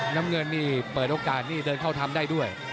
น้ำเงินนี่เปิดโอกาสนี่เดินเข้าทำได้ด้วย